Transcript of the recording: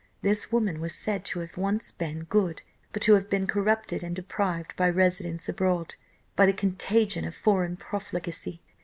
This woman was said to have been once good, but to have been corrupted and depraved by residence abroad by the contagion of foreign profligacy.